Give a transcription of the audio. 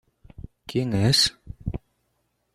¿ quién es?